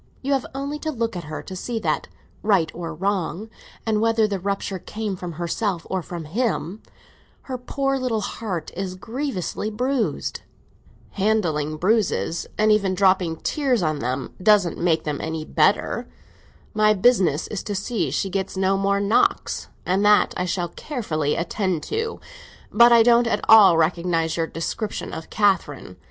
You have only to look at her to see that, right or wrong, and whether the rupture came from herself or from him, her poor little heart is grievously bruised." "Handling bruises—and even dropping tears on them—doesn't make them any better! My business is to see she gets no more knocks, and that I shall carefully attend to. But I don't at all recognise your description of Catherine.